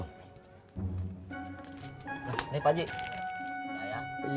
nah ini pak haji